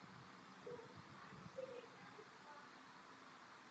Tam se poprvé projevily jeho homosexuální sklony.